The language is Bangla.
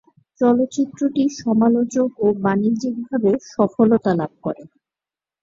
চলচ্চিত্রটি সমালোচক ও বাণিজ্যিকভাবে সফলতা লাভ করে।